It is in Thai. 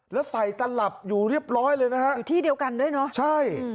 แล้วใส่ตลับอยู่เรียบร้อยเลยนะฮะอยู่ที่เดียวกันด้วยเนอะใช่